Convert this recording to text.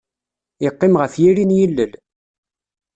Yeqqim ɣef yiri n yilel.